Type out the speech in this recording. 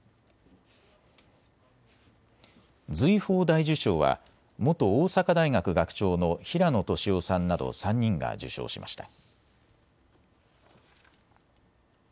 瑞宝大綬章は元大阪大学学長の平野俊夫さんなど３人が受章しました。